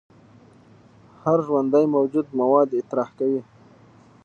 هر ژوندی موجود مواد اطراح کوي